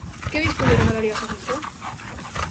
Que disco lle regalarías a Feijóo?